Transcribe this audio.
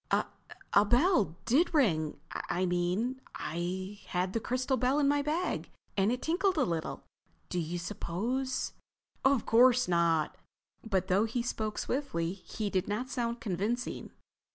"A—a bell did ring. I mean, I had the crystal bell in my bag and it tinkled a little. Do you suppose—" "Of course not." But though he spoke swiftly he did not sound convincing.